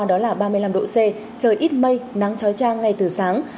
đó là ba mươi năm độ c trời ít mây nắng trói trang ngay từ sáng